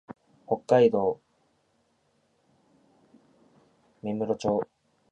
北海道芽室町